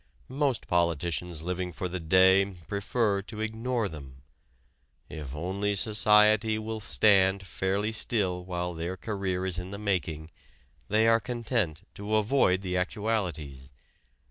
Most politicians living for the day prefer to ignore them. If only society will stand fairly still while their career is in the making they are content to avoid the actualities.